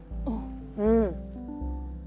うん。